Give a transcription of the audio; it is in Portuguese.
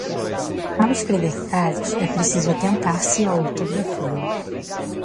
Ao escrever frases, é preciso atentar-se à ortografia.